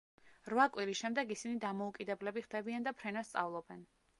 რვა კვირის შემდეგ ისინი დამოუკიდებლები ხდებიან და ფრენას სწავლობენ.